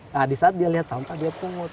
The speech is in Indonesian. nah disaat dia lihat sampah dia pungut